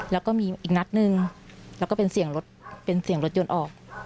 แล้วก็มีอีกนัดหนึ่งแล้วก็เป็นเสียงรถยนต์ออก